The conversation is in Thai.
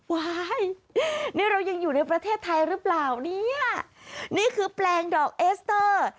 ว้ายนี่เรายังอยู่ในประเทศไทยหรือเปล่าเนี่ยนี่คือแปลงดอกเอสเตอร์